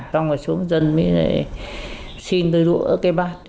xong rồi xuống dân mới xin đưa đũa ở cây bát